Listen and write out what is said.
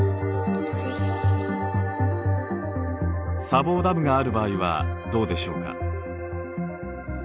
砂防ダムがある場合はどうでしょうか。